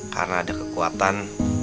karena ada kekuatan